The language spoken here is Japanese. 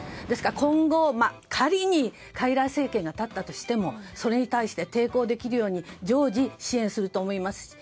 ですから今後、仮に傀儡政権が立ったとしてもそれに対して、抵抗できるように常時、支援すると思います。